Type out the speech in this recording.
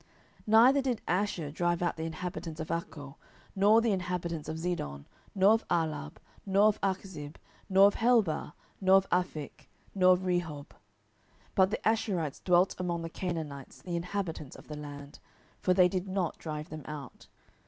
07:001:031 Neither did Asher drive out the inhabitants of Accho, nor the inhabitants of Zidon, nor of Ahlab, nor of Achzib, nor of Helbah, nor of Aphik, nor of Rehob: 07:001:032 But the Asherites dwelt among the Canaanites, the inhabitants of the land: for they did not drive them out.